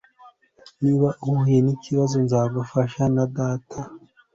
Niba uhuye nikibazo nzagufasha na data